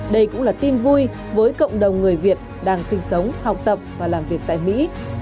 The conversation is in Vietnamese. đây cũng là tin vui với cộng đồng người việt đang sinh sống học tập và làm việc tại mỹ